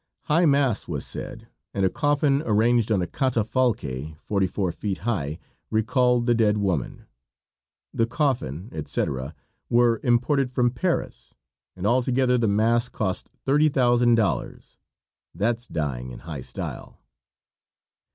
High mass was said, and a coffin arranged on a catafalque forty four feet high recalled the dead woman. The coffin, etc., were imported from Paris, and altogether the mass cost $30,000. That's dying in high style.